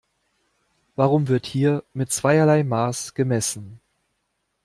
Warum wird hier mit zweierlei Maß gemessen?